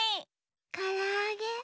からあげ。